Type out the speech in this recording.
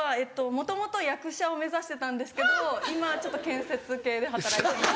もともと役者を目指してたんですけど今ちょっと建設系で働いてます。